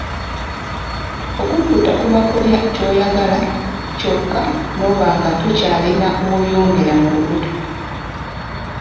Okukutta kuba kulya ky'oyagala ky'okka n'oba nga tokyalina w'oyongera mu lubuto.